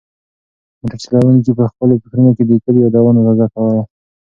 موټر چلونکي په خپلو فکرونو کې د کلي یادونه تازه کړل.